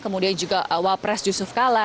kemudian juga wapres yusuf kala